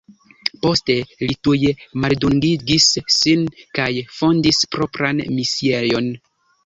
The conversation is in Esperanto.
Poste li tuj maldungigis sin kaj fondis propran misiejon.